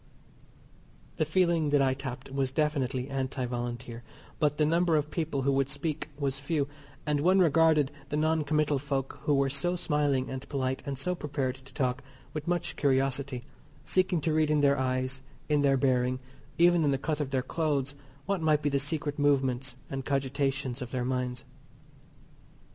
The feeling that I tapped was definitely Anti Volunteer, but the number of people who would speak was few, and one regarded the noncommital folk who were so smiling and polite, and so prepared to talk, with much curiosity, seeking to read in their eyes, in their bearing, even in the cut of their clothes what might be the secret movements and cogitations of their minds.